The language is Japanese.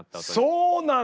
そうなんだ！